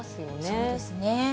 そうですね。